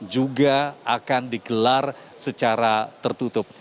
juga akan digelar secara tertutup